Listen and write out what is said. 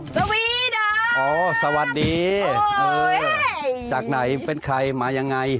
ดาวสวีดาวโอ้โฮสวัสดีเออจากไหนเป็นใครมาอย่างไร